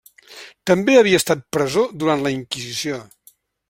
També havia estat presó durant la Inquisició.